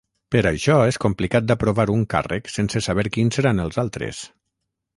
Per això és complicat d’aprovar un càrrec sense saber quins seran els altres.